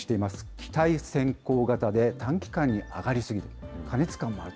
期待先行型で短期間に上がり過ぎ、過熱感もある。